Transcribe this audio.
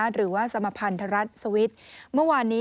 หรือว่าสมพันธรัฐสวิทย์เมื่อวานนี้